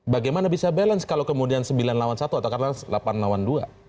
bagaimana bisa balance kalau kemudian sembilan lawan satu atau katakanlah delapan lawan dua